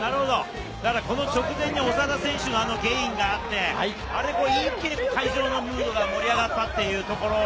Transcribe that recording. この直前に長田選手のゲインがあって、あれで一気に会場のムードが盛り上がったというところ。